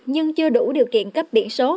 nhưng chưa đủ điều kiện cấp biện số